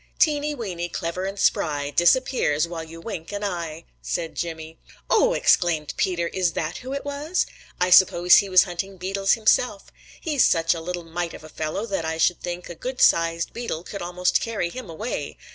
"Teeny Weeny, clever and spry, Disappears while you wink an eye.' said Jimmy. "Oh!" exclaimed Peter. "Is that who it was? I suppose he was hunting beetles himself. He's such a little mite of a fellow that I should think a goodsized beetle could almost carry him away.